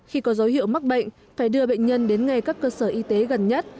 khi có dấu hiệu mắc bệnh phải đưa bệnh nhân đến ngay các cơ sở y tế gần nhất